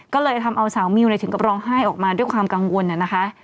ก็เลยทำเอาสาวมิวถึงกับร้องไห้ออกมาด้วยความกังวลนะคะ